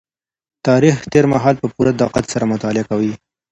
تاريخ تېر مهال په پوره دقت سره مطالعه کوي.